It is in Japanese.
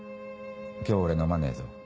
今日俺飲まねえぞ。